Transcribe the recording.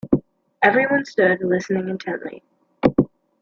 Everyone stood listening intently.